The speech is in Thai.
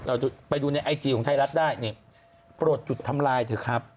เราไปดูในไอจีของไทยรัฐได้เนี่ยโปรดจุดทำลายเถอะครับ